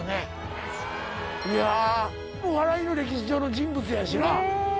いやお笑いの歴史上の人物やしな。